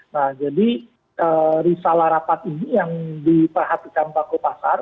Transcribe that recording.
nah jadi risalah rapat ini yang diperhatikan pak kupasar